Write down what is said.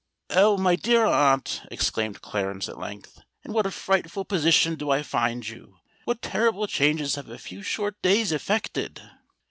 "Oh! my dear aunt," exclaimed Clarence at length; "in what a frightful position do I find you! What terrible changes have a few short days effected!"